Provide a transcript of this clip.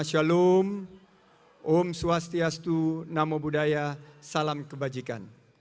salam sejahtera bagi kita semua